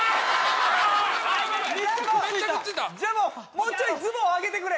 もうちょいズボン上げてくれ。